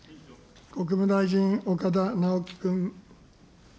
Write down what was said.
国務大臣、岡田直樹君。